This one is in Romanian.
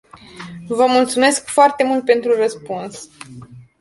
Vă mulțumesc foarte mult pentru răspuns.